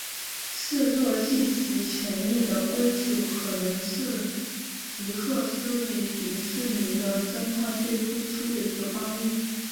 制作续集权利的归属可能是皮克斯与迪士尼的争端最突出的一个方面。